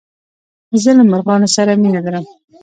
زه له مرغانو سره مينه لرم.